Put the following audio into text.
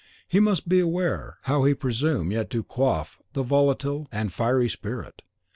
He must beware how he presume yet to quaff the volatile and fiery spirit.